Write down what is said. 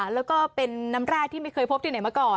แล้วก็เป็นน้ำแร่ที่ไม่เคยพบที่ไหนมาก่อน